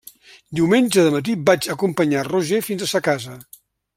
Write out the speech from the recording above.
Diumenge de matí vaig acompanyar Roger fins a sa casa.